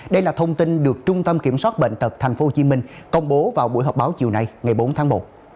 đây là thông tin được trung tâm kiểm soát bệnh tật tp hcm công bố vào buổi họp báo chiều nay ngày bốn tháng một